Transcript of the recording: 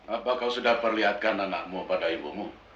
apakah kamu sudah perlihatkan anakmu pada ibu